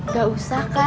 gak usah kak gak apa apa